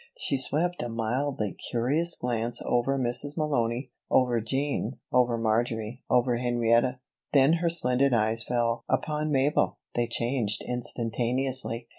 She swept a mildly curious glance over Mrs. Malony, over Jean, over Marjory, over Henrietta. Then her splendid eyes fell upon Mabel; they changed instantaneously.